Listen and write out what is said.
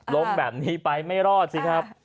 ล้มแบบนี้ไปไม่รอดสิครับ